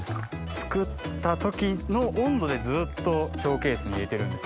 作った時の温度でずっとショーケースに入れてるんです。